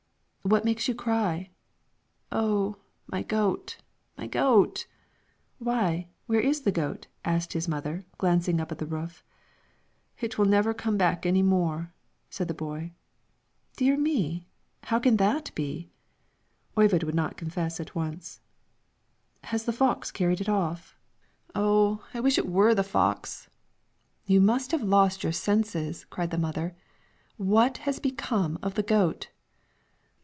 "What makes you cry?" "Oh, my goat my goat!" "Why, where is the goat?" asked the mother, glancing up at the roof. "It will never come back any more," said the boy. "Dear me! how can that be?" Oyvind would not confess at once. "Has the fox carried it off?" "Oh, I wish it were the fox!" "You must have lost your senses!" cried the mother. "What has become of the goat?"